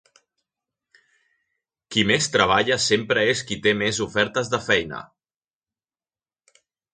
Qui més treballa sempre és qui té més ofertes de feina.